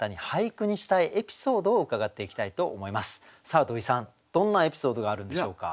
さあ土井さんどんなエピソードがあるんでしょうか？